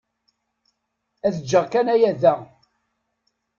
Ad ǧǧeɣ kan aya da.